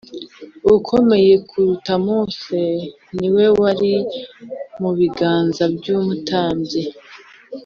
ukomeye kuruta Mose ni We wari mu biganza by’umutambyi